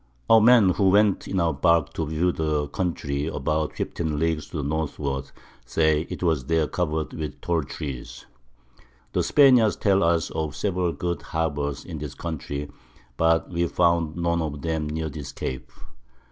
Our Men who went in our Bark to view the Country about 15 Leagues to the Northward, say it was there cover'd with tall Trees. The Spaniards tell us of several good Harbours in this Country, but we found none of them near this Cape.